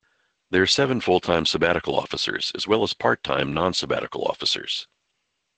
There are seven full-time sabbatical officers, as well as part-time non sabbatical officers.